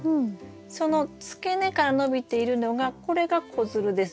その付け根から伸びているのがこれが子づるです。